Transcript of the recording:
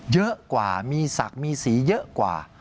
เยอะกว่ามีศักดิ์มีสีเยอะกว่า